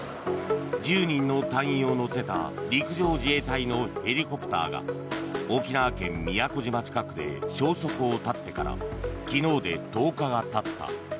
１０人の隊員を乗せた陸上自衛隊のヘリコプターが沖縄県・宮古島近くで消息を絶ってから昨日で１０日がたった。